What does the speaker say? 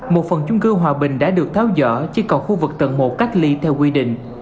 một phần chung cư hòa bình đã được tháo dở chỉ còn khu vực tầng một cách ly theo quy định